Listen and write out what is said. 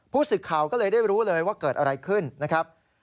สึกข่าวก็เลยได้รู้เลยว่าเกิดอะไรขึ้นนะครับ